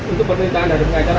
untuk pemerintahan dari pengacara